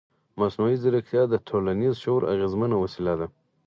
مصنوعي ځیرکتیا د ټولنیز شعور اغېزمنه وسیله ده.